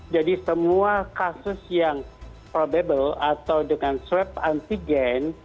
jadi semua kasus yang probable atau dengan swab antigen